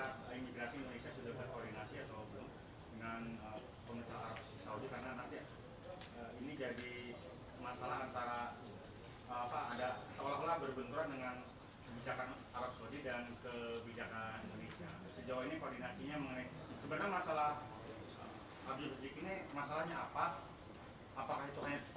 tentunya pemirsa imigrasi indonesia sudah berkoordinasi atau belum dengan pemerintah arab saudi karena nanti ya ini jadi masalah antara apa ada seolah olah berbenturan dengan kebijakan arab saudi dan kebijakan indonesia